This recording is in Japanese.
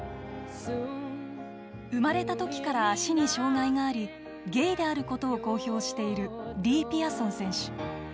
生まれたときから足に障がいがありゲイであることを公表しているリー・ピアソン選手。